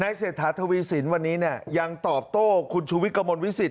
เศรษฐาทวีสินวันนี้เนี่ยยังตอบโต้คุณชูวิทย์กระมวลวิสิต